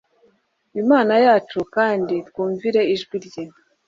imana yacu, kandi twumvire ijwi rye